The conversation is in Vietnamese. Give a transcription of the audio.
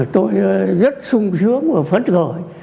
tôi rất sung sướng và phấn khởi